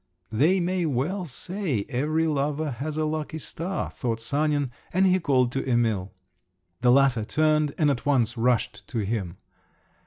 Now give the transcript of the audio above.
"They may well say every lover has a lucky star," thought Sanin, and he called to Emil. The latter turned and at once rushed to him.